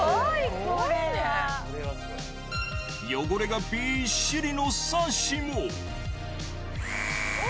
汚れがびっしりのサッシもお！